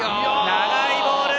長いボール。